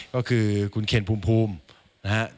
ก็คือคุณเคนพูมนะฮะ